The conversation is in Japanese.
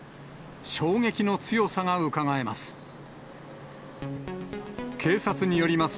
衝撃の強さがうかがえます。